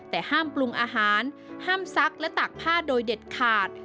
แต่ห้ามปรุงอาหารห้ามซักและตากผ้าโดยเด็ดขาด